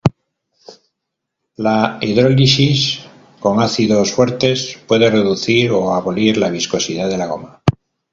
La hidrólisis con ácidos fuertes puede reducir o abolir la viscosidad de la goma.